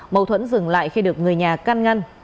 mâu thuẫn dừng lại khi được người nhà can ngăn